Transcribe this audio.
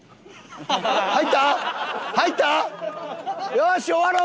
よし終わろう